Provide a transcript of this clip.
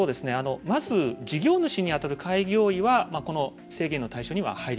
まず事業主に当たる開業医はこの制限の対象には入りません。